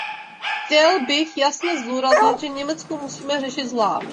Chtěl bych jasně zdůraznit, že Německo musíme řešit zvlášť.